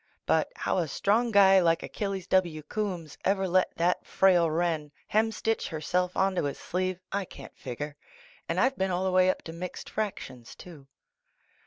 But how a strong gu}' like Achilles \\'. Coombs ever let that frail wren hemstitcli herself onto his sleeve, I can't figure, and I've been all the way up to mixed fractions, too.